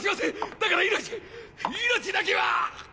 だから命命だけは！